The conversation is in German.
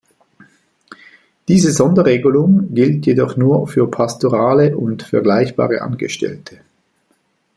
Diese Sonderregelung gilt jedoch nur für pastorale und vergleichbare Angestellte.